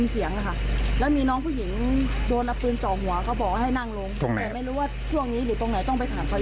เอ๊ะแล้วมันจะจบหรือยังคะ